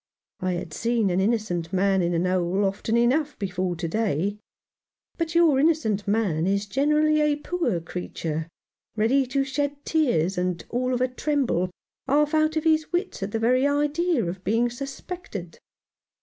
I had seen an innocent man in a hole often enough before to day ; but your innocent man is generally a poor creature, ready to shed tears, and all of a tremble, half out of his wits at the very idea of being suspected.